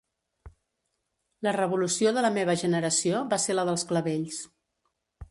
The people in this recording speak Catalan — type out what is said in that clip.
La revolució de la meva generació va ser la dels clavells.